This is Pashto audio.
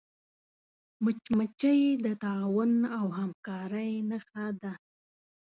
مچمچۍ د تعاون او همکاری نښه ده